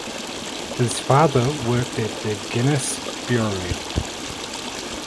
His father worked at the Guinness Brewery.